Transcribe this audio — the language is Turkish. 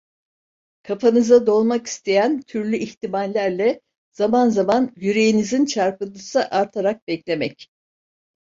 Kafanıza dolmak isteyen türlü ihtimallerle zaman zaman yüreğinizin çarpıntısı artarak beklemek.